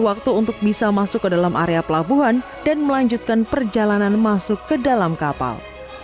waktu untuk bisa masuk ke dalam area pelabuhan dan melanjutkan perjalanan masuk ke dalam kapal